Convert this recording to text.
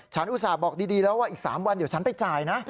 อุตส่าห์บอกดีแล้วว่าอีก๓วันเดี๋ยวฉันไปจ่ายนะ